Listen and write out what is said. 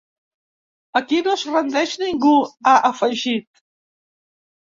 Aquí no es rendeix ningú, ha afegit.